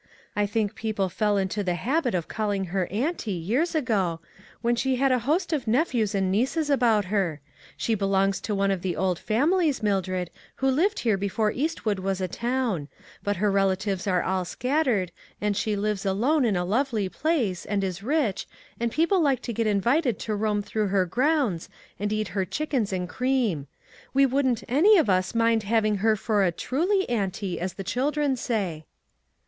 I think people fell into the habit of calling her 'auntie' years ago, when she had a host of nephews and nieces about her. She belongs to one of the old families, Mildred, who lived here before Eastwood was a town ; but her rel atives are all scattered, and she lives alone in a lovely place, and is rich, and people like to get invited to roam through her grounds, and eat her chickens and cream. We wouldn't any of us mind having her for a * truly ' auntie, as the children say."